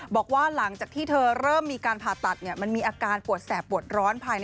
บอกว่าหลังจากที่เธอเริ่มมีการผ่าตัดเนี่ย